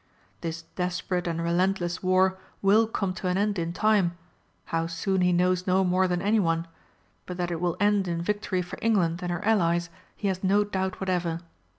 This desperate and relentless war will come to an end in time how soon he knows no more than anyone, but that it will end in victory for England and her Allies he has no doubt whatever.